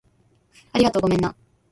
ありがとう。ごめんな